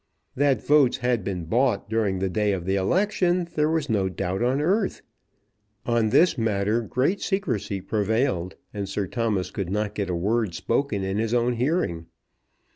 That votes had been bought during the day of the election there was no doubt on earth. On this matter great secrecy prevailed, and Sir Thomas could not get a word spoken in his own hearing.